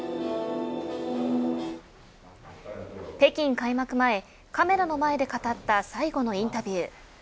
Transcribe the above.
北京開幕前、カメラの前で語った最後のインタビュー。